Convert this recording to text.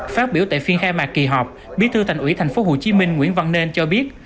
phát biểu tại phiên khai mạc kỳ họp bí thư thành ủy tp hcm nguyễn văn nên cho biết